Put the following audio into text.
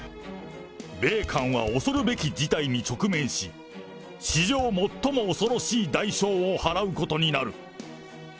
米韓は恐るべき事態に直面し、史上最も恐ろしい代償を払うことになる。